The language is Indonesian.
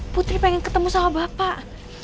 putri pengen ketemu sama bapak